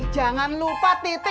jangan lupa titik